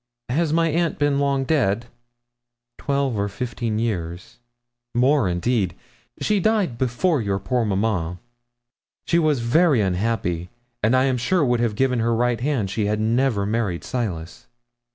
'Has my aunt been long dead?' 'Twelve or fifteen years more, indeed she died before your poor mamma. She was very unhappy, and I am sure would have given her right hand she had never married Silas.'